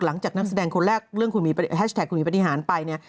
หลังจากนักแสดงคนแรกเรื่องคุณหมีแฮชแท็กคุณหมีปฏิหารไป